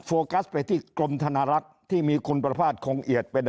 โฟกัสไปที่กรมธนารักษ์ที่มีคุณประภาษณคงเอียดเป็น